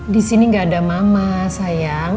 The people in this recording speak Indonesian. disini gak ada mama sayang